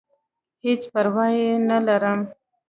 هېڅ پرواه ئې نۀ لرم -